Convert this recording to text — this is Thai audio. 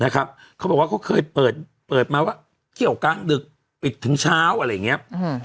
เขาบอกว่าเขาเคยเปิดมาว่าเกี่ยวกลางดึกปิดถึงเช้าอะไรอย่างนี้